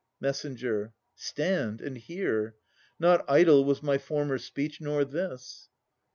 MESS. Stand, and hear. Not idle was my former speech, nor this.